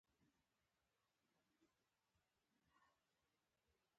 بولي مجرا یو نری ټیوب دی.